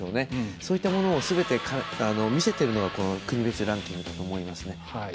そういったものをすべて見せてるのが国別ランキングだと思いますね。